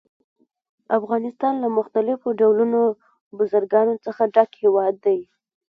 افغانستان له مختلفو ډولونو بزګانو څخه ډک هېواد دی.